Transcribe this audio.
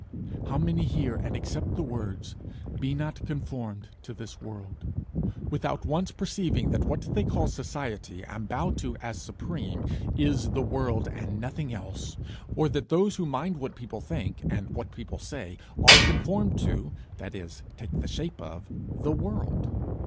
How many hear and accept the words, 'Be not conformed to this world,' without once perceiving that what they call Society and bow to as supreme, is the World and nothing else, or that those who mind what people think, and what people will say, are conformed to that is, take the shape of the world.